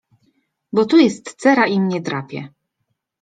— Bo tu jest cera i mnie drapie.